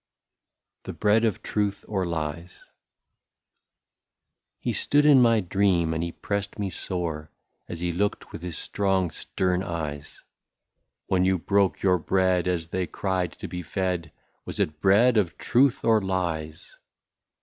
94 THE BREAD OF TRUTH OR LIES. He stood in my dream, and he pressed me sore, As he looked with his strong stern eyes :—" When you broke your bread, as they cried to be fed, Was it bread of truth or lies